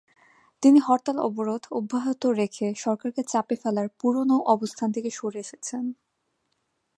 তিনি হরতাল-অবরোধ অব্যাহত রেখে সরকারকে চাপে ফেলার পুরোনো অবস্থান থেকে সরে এসেছেন।